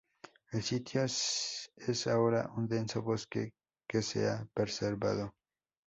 El sitio es ahora un denso bosque que se ha preservado.